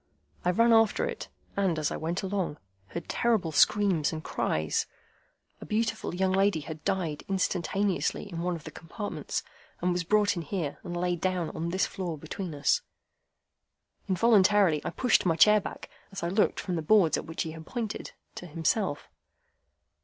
I ran after it, and, as I went along, heard terrible screams and cries. A beautiful young lady had died instantaneously in one of the compartments, and was brought in here, and laid down on this floor between us." Involuntarily I pushed my chair back, as I looked from the boards at which he pointed to himself.